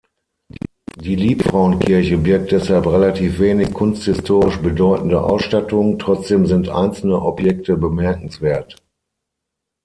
Die Liebfrauenkirche birgt deshalb relativ wenig kunsthistorisch bedeutende Ausstattung, trotzdem sind einzelne Objekte bemerkenswert.